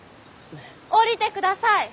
下りてください！